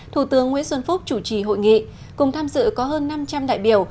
thủ tướng nguyễn xuân phúc chủ trì hội nghị cùng tham dự có hơn năm trăm linh đại biểu